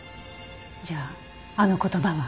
じゃああの言葉は。